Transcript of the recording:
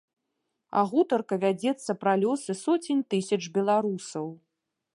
А гутарка вядзецца пра лёсы соцень тысяч беларусаў.